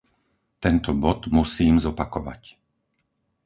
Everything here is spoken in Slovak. Tento bod musím zopakovať.